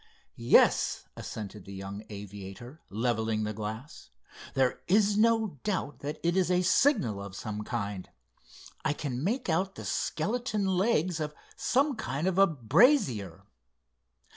"Yes," assented the young aviator, levelling the glass. "There is no doubt that it is a signal of some kind. I can make out the skeleton legs of some kind of a brazier."